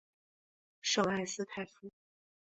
圣埃斯泰夫。